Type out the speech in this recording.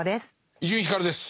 伊集院光です。